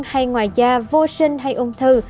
hay ngoài da vô sinh hay ung thư